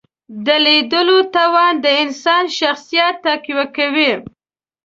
د لیدلو توان د انسان شخصیت تقویه کوي